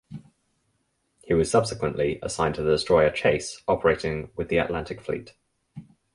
He was subsequently assigned to destroyer "Chase" operating with the Atlantic Fleet.